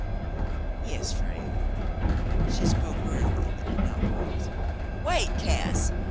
"Yes, Frale." She spoke wearily, but did not pause. "Wait, Cass.